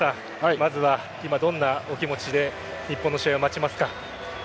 まずは今どんなお気持ちで日本の試合を待ちますか？